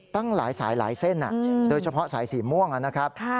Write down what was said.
ตั้งหลายสายหลายเส้นโดยเฉพาะสายสีม่วงนะครับ